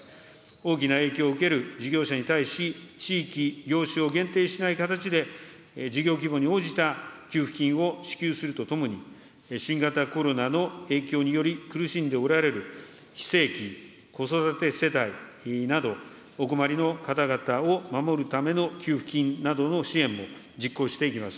大きな影響を受ける事業者に対し、地域、業種を限定しない形で、事業規模に応じた給付金を支給するとともに、新型コロナの影響により苦しんでおられる非正規、子育て世帯など、お困りの方々を守るための給付金などの支援も実行していきます。